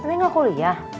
ini gak kuliah